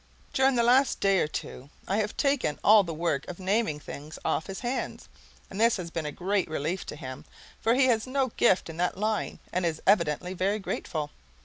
During the last day or two I have taken all the work of naming things off his hands, and this has been a great relief to him, for he has no gift in that line, and is evidently very grateful.